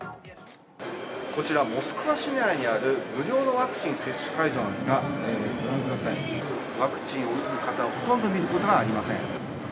こちら、モスクワ市内にある無料のワクチン接種会場なんですが、ご覧ください、ワクチンを打つ方はほとんど見ることはありません。